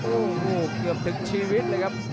โอ้โหเกือบถึงชีวิตเลยครับ